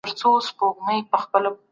بهرني بانکونه په هیواد کي فعالیت کوي.